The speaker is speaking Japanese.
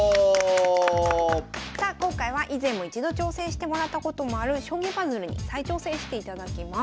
さあ今回は以前も一度挑戦してもらったこともある将棋パズルに再挑戦していただきます。